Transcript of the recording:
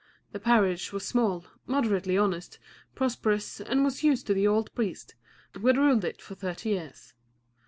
The parish was small, moderately honest, prosperous, and was used to the old priest, who had ruled it for thirty years.